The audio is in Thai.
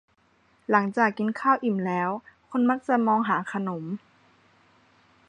หลังจากกินข้าวอิ่มแล้ว คนมักจะมองหาขนม